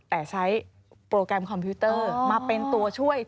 แต่ใช้โปรแกรมคอมพิวเตอร์มาเป็นตัวช่วย